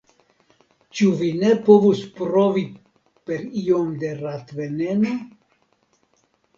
Ĉu vi ne povus provi per iom da ratveneno?